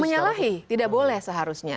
menyalahi tidak boleh seharusnya